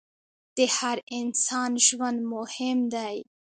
د هر انسان ژوند مهم دی.